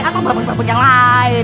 atau bambang bambang yang lain